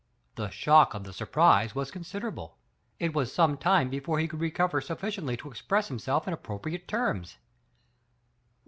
The shock of the surprise was considerable ; it was some time before he could recover sufficiently to express himself in appropriate terms.